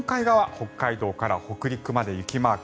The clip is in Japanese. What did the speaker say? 北海道から北陸まで雪マーク。